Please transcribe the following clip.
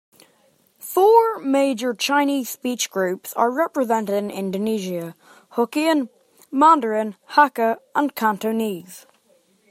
Four major Chinese-speech groups are represented in Indonesia: Hokkien, Mandarin, Hakka and Cantonese.